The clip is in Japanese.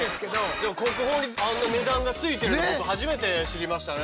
でも国宝にあんな値段がついてるの初めて知りましたね。